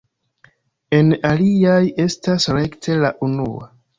En aliaj estas rekte la unua.